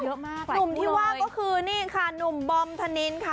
เยอะมากเลยหนุ่มที่ว่าก็คือนี่ค่ะหนุ่มบอมธนินค่ะ